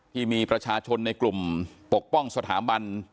ที่มีประชาชนในกลุ่มปกป้องสถาบัน